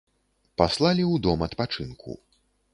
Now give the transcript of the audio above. Паслалі ў дом адпачынку.